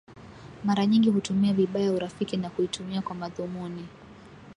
mara nyingi hutumia vibaya urafiki na kuitumia kwa madhumuni